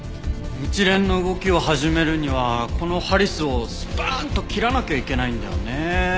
一連の動きを始めるにはこのハリスをスパンと切らなきゃいけないんだよね。